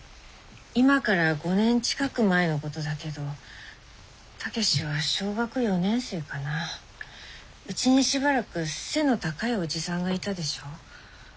今から５年近く前のことだけど武志は小学４年生かなうちにしばらく背の高いおじさんがいたでしょう。